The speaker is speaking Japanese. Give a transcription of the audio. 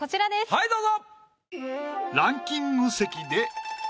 はいどうぞ！